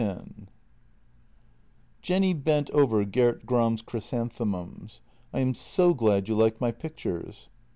182 JENNY X J ENNY bent over Gert Gram's chrysanthemums: " I am so glad you like my pictures."